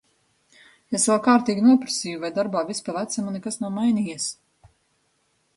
Es vēl kārtīgi noprasīju, vai darbā viss pa vecam un nekas nav mainījies?